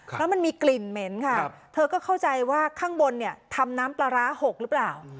แล้วมันมีกลิ่นเหม็นค่ะเธอก็เข้าใจว่าข้างบนเนี่ยทำน้ำปลาร้าหกหรือเปล่า